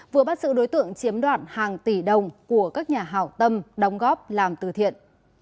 vừa bắt sự đối tượng chiếm đoạt hàng tỷ đồng của các nhà hảo tâm đóng góp làm từ thiện